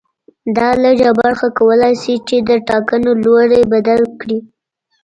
دا لږه برخه کولای شي چې د ټاکنو لوری بدل کړي